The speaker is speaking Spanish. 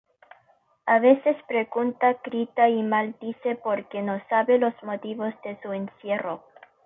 A veces pregunta, grita y maldice porque no sabe los motivos de su encierro.